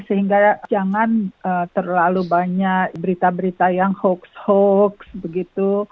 sehingga jangan terlalu banyak berita berita yang hoax hoax begitu